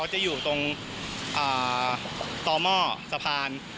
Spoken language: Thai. จะอยู่ตรงต่อหม้อสะพาน